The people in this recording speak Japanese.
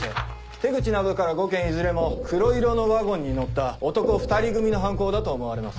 手口などから５件いずれも黒色のワゴンに乗った男２人組の犯行だと思われます。